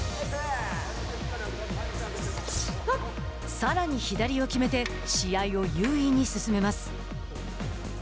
さらに左を決めて試合を優位に進めます。